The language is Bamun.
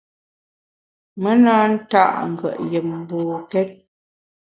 Me na nta’ ngùet yùm mbokét.